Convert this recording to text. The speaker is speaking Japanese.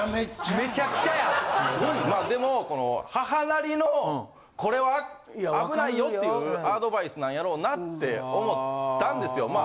・めちゃくちゃや・まあでもこの母なりのこれは危ないよっていうアドバイスなんやろうなって思ったんですよ。